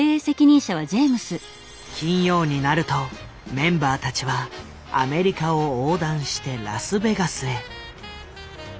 金曜になるとメンバーたちはアメリカを横断してラスベガスへ。